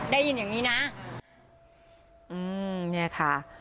ได้ยินอย่างนี้นะ